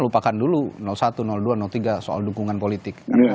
lupakan dulu satu dua tiga soal dukungan politik